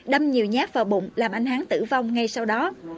đâm nhiều nhát vào bụng làm anh hán tử vong ngay sau đó